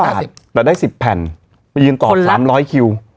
๒๓บาทแต่ได้๑๐แผ่นมียืนต่อ๓๐๐คิว